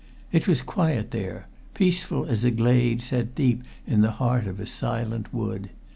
It was quiet there peaceful as a glade set deep in the heart of a silent wood.